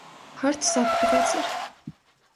Հարթ սափրված էր։